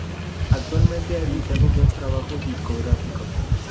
Actualmente han editado dos trabajos discográficos.